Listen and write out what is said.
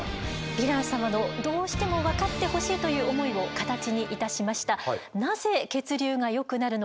ヴィラン様のどうしても分かってほしいという思いを形にいたしました。